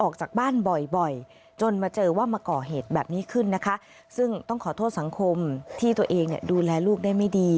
ก่อเหตุแบบนี้ขึ้นนะคะซึ่งต้องขอโทษสังคมที่ตัวเองดูแลลูกได้ไม่ดี